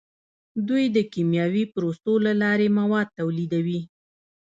دوی د کیمیاوي پروسو له لارې مواد تولیدوي.